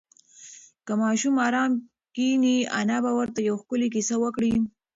که ماشوم ارام کښېني، انا به ورته یوه ښکلې کیسه وکړي.